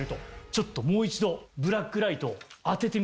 ちょっともう一度ブラックライトを当ててみたい。